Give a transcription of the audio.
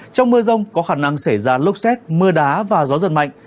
trong mưa rông có khả năng xảy ra lốc xét mưa đá và gió giật mạnh